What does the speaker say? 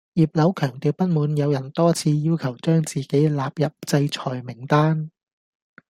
葉劉強調不滿有人多次要求將自己納入制裁名單